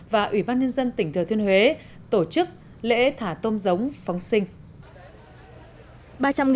và ủy ban nhân dân tỉnh thừa thiên huế tổ chức lễ thả tôm giống phóng sinh